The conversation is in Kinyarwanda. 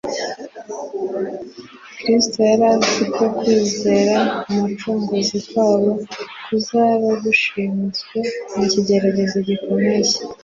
Kristo yari azi ko kwizera Umucunguzi kwabo kuzaba gushyizwe mu kigeragezo gikomeye